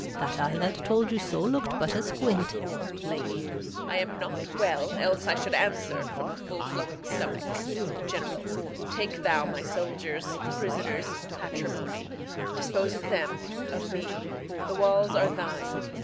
That eye that told you so look'd but asquint. Reg. Lady, I am not well; else I should answer From a full flowing stomach. General, Take thou my soldiers, prisoners, patrimony; Dispose of them, of me; the walls are thine.